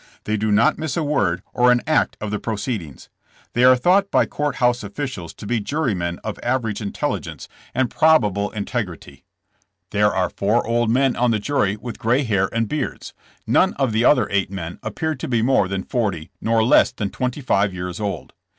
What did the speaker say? They do not miss a word or an act of the proceedings. They are thought by court house offi cials to be jurymen of average intelligence and prob TH« TRIAI* FOR TRAIN ROBBItRY. 141 able integrity. There are four old men on the jury with gray hair and beards. None of the other eight men appear to be more than forty nor less than twenty five years old.